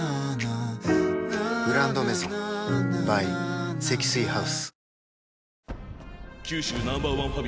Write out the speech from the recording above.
「グランドメゾン」ｂｙ 積水ハウス